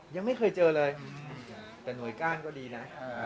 ยังไม่เคยเจอเลยแต่หน่วยก้านก็ดีนะ